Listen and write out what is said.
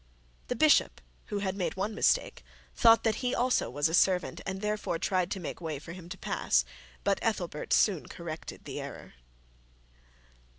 The bishop, who had made one mistake, thought that he also was a servant, and therefore tried to make way for him to pass. But Ethelbert soon corrected the error.